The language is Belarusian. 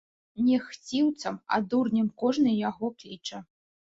Не хціўцам, а дурнем кожны яго кліча.